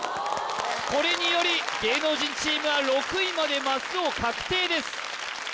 これにより芸能人チームは６位までマスを確定です